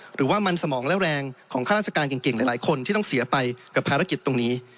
หรือว่ามันสมองและแรงของข้าราชการเก่งหลายคนที่ต้องเสียไปกับภารกิจตรงนี้